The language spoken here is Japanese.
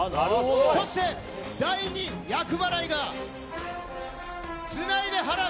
そして第二厄払いが、つないで払う！